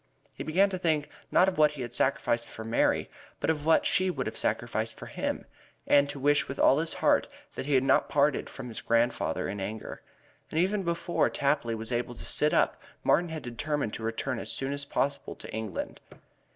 He began to think not of what he had sacrificed for Mary, but of what she would have sacrificed for him, and to wish with all his heart that he had not parted from his grandfather in anger. And even before Tapley was able to sit up Martin had determined to return as soon as possible to England.